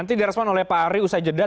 nanti direspon oleh pak ari usai jeda